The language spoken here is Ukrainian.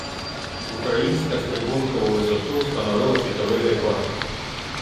Українська стрибунка у висоту встановила світовий рекорд.